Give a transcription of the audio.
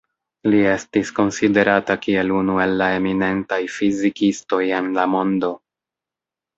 Li estis konsiderata kiel unu el la eminentaj fizikistoj en la mondo.